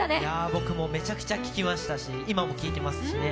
僕もめちゃくちゃ聴きましたし今も聴いてますしね。